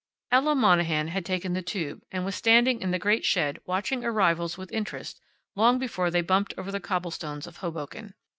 Ella Monahan had taken the tube, and was standing in the great shed, watching arrivals with interest, long before they bumped over the cobblestones of Hoboken.